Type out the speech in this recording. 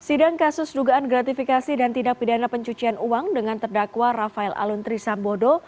sidang kasus dugaan gratifikasi dan tindak pidana pencucian uang dengan terdakwa rafael alun trisambodo